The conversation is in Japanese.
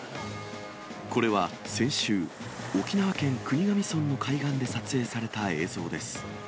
これは先週、沖縄県国頭村の海岸で撮影された映像です。